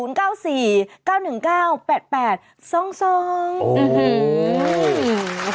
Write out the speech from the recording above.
อื้อน่ากินน่าทอดนะ